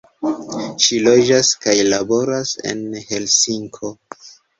Ŝi loĝas kaj laboras en Helsinko.